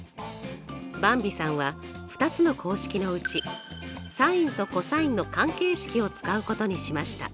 ばんびさんは２つの公式のうちｓｉｎとｃｏｓの関係式を使うことにしました。